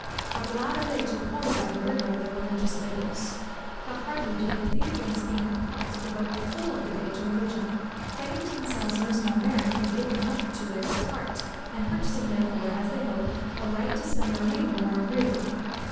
How glad are they to qualify the rigor of their religious labours! How hardly do they plead against being compelled to devote the whole of the day to Religion, claiming to themselves no small merit for giving up to it a part, and purchasing therefore, as they hope, a right to spend the remainder more agreeably!